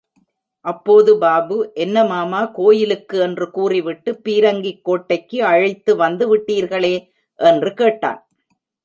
அப்போது பாபு, என்ன மாமா கோயிலுக்கு என்று கூறிவிட்டு பீரங்கிக்கோட்டைக்கு அழைத்து வந்து விட்டீர்களே? என்று கேட்டான்.